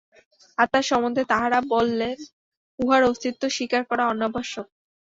আত্মার সম্বন্ধে তাঁহারা বলেন উহার অস্তিত্ব স্বীকার করা অনাবশ্যক।